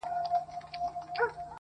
له کلونو له عمرونو یې روزلی!!